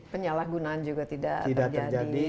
penyalahgunaan juga tidak terjadi